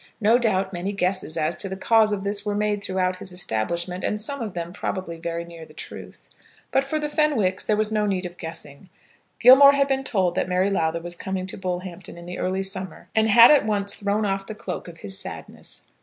No doubt many guesses as to the cause of this were made throughout his establishment, and some of them, probably, very near the truth. But, for the Fenwicks there was no need of guessing. Gilmore had been told that Mary Lowther was coming to Bullhampton in the early summer, and had at once thrown off the cloak of his sadness.